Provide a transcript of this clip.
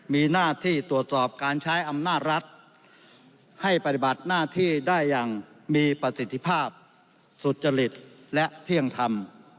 มีหน้าที่ตรวจสอบการใช้อำนาจรัฐให้ปฏิบัติหน้าที่ได้อย่างมีประสิทธิภาพสุจริตและเที่ยงธรรม